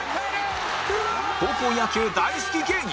高校野球大好き芸人